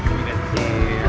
eh ini benci